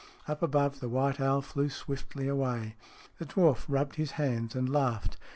Up above, the white owl flew swiftly away. The dwarf rubbed his hands and laughed.